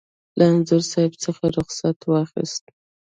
له انځور صاحب څخه رخصت واخیست.